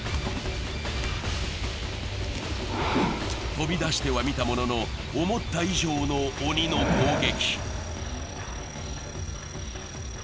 飛び出してはみたものの、思った以上の鬼の攻撃。